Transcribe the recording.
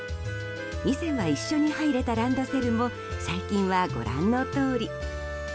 以前は一緒に入れたランドセルも最近はご覧のとおり。